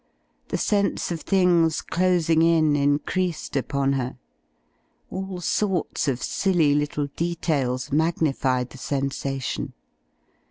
The sense of things dosing in increased upon her. All sorts of silly little details magnified the sensation.